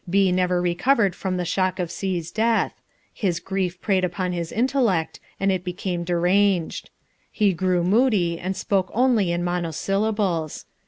B never recovered from the shock of C's death; his grief preyed upon his intellect and it became deranged. He grew moody and spoke only in monosyllables.